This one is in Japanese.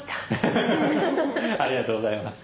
フフフフありがとうございます。